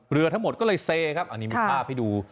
เรือทั้งหมดก็เลยเซครับอันนี้มีภาพให้ดู